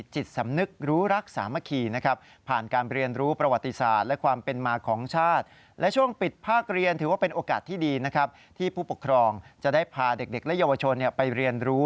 จะได้พาเด็กและเยาวชนไปเรียนรู้